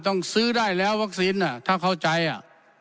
ต้องซื้อได้แล้ววัคซีนอ่ะถ้าเข้าใจอ่ะ